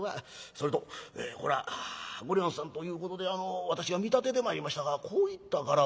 「それとこれは御寮人さんということで私が見立ててまいりましたがこういった柄は？」。